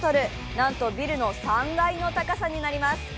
なんとビルの３階の高さになります